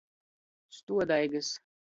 Stuodaigys.